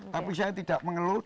tapi saya tidak mengeluh